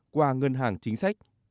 qua ngân hàng chính sách